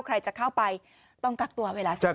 ใครจะเข้าไปต้องกักตัวเวลาเสร็จ